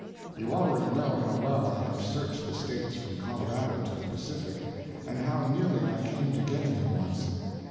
You already know how well I have searched the states from Colorado to the Pacific, and how nearly I came to getting him once.